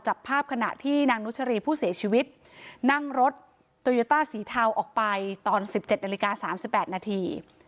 จับภาพขณะที่นางนุชรีผู้เสียชีวิตนั่งรถสีเทาออกไปตอนสิบเจ็ดนาฬิกาสามสิบแปดนาที